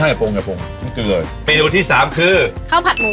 แต่ปรุงอย่าปรุงไม่เกลือไปดูที่สามคือข้าวผัดหมู